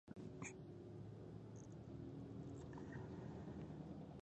له قوس پنځه ویشتمې تر جدي شپږمې زموږ کوټې د اعدامیانو په نوم وې.